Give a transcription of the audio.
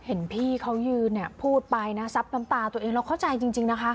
เห็นพี่เขายืนเนี่ยพูดไปนะซับน้ำตาตัวเองเราเข้าใจจริงนะคะ